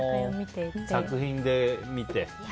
作品で見て。